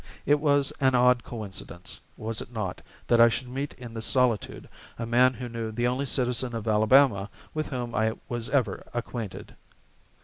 It was an odd coincidence, was it not, that I should meet in this solitude a man who knew the only citizen of Alabama with whom I was ever acquainted.